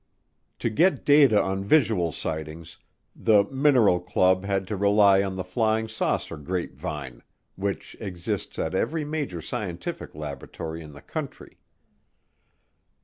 To get data on visual sightings, the "mineral club" had to rely on the flying saucer grapevine, which exists at every major scientific laboratory in the country.